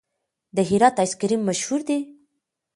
د هرات آیس کریم مشهور دی؟